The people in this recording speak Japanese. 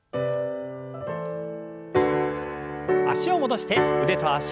脚を戻して腕と脚の運動。